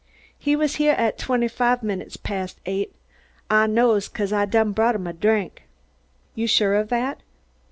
"He was heah at twenty fahv minutes past eight, Ah knows, cause Ah done brought him a drink." "You're sure of that?"